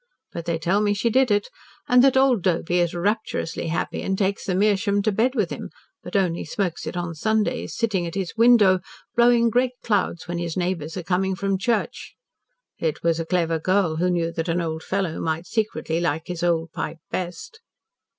But they tell me she did it, and that old Doby is rapturously happy and takes the meerschaum to bed with him, but only smokes it on Sundays sitting at his window blowing great clouds when his neighbours are coming from church. It was a clever girl who knew that an old fellow might secretly like his old pipe best."